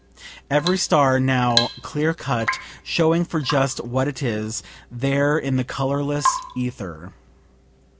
Every star now clear cut, showing for just what it is, there in the colorless ether.